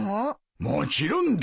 もちろんだ。